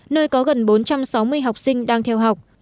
nơi có gần bốn trăm sáu mươi học sinh đang theo học